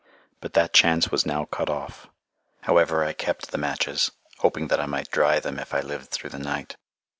But that chance was now cut off. However, I kept the matches, hoping that I might dry them if I lived through the night.